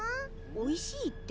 「おいしい」って？